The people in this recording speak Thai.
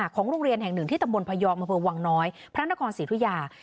ของโรงเรียนแห่งหนึ่งที่ตำบลพยอมอำเภอวังน้อยพระนครศรีธุยา